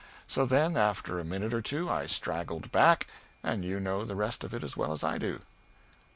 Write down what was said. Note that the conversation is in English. So, then, after a minute or two I straggled back, and you know the rest of it as well as I do."